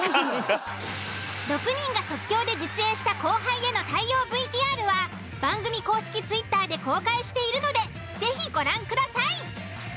６人が即興で実演した後輩への対応ＶＴＲは番組公式Ｔｗｉｔｔｅｒで公開しているので是非ご覧ください。